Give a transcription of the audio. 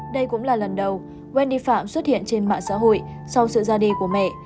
đây cũng là lần đầu wendy phạm xuất hiện trên mạng xã hội sau sự ra đi của mẹ